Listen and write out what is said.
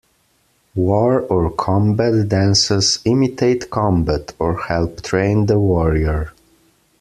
War or Combat dances imitate combat, or help train the warrior.